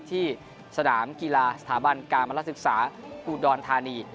ที่สนามกีฬาสถาบันกามละศึกษาอุดรธานี